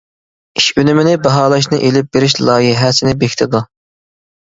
ئىش ئۈنۈمىنى باھالاشنى ئېلىپ بېرىش لايىھەسىنى بېكىتىدۇ.